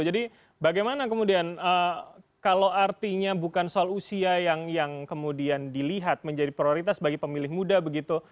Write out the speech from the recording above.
jadi bagaimana kemudian kalau artinya bukan soal usia yang kemudian dilihat menjadi prioritas bagi pemilih muda begitu